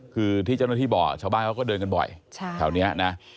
คือที่เจ้าหน้าที่บอกชาวบ้านเขาก็เดินกันบ่อยแถวนี้นะ